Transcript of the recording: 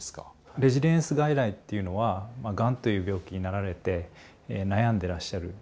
レジリエンス外来っていうのはがんという病気になられて悩んでらっしゃる戸惑っ